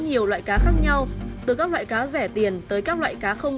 nó khác nhau nhiều không ạ